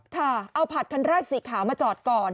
ค่ะเอาผัดคันแรกสีขาวมาจอดก่อน